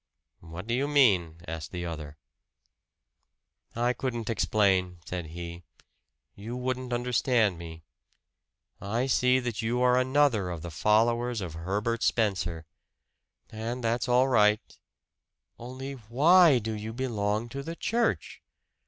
"What do you mean?" asked the other. "I couldn't explain," said he. "You wouldn't understand me. I see that you are another of the followers of Herbert Spencer. And that's all right only WHY do you belong to the church?